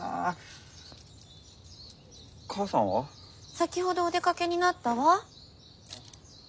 先ほどお出かけになったわ。